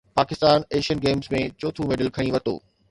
Pakistan Asian Games ۾ چوٿون medal کٽي ورتو